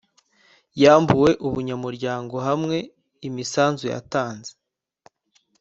yambuwe ubunyamuryango hamwe imisanzu yatanze